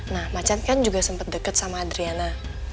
nah ma can kan juga sempet deket sama adriana